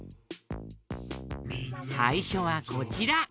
さいしょはこちら。